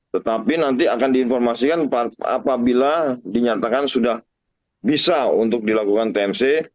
tetapi nanti akan diinformasikan apabila dinyatakan sudah bisa untuk dilakukan tmc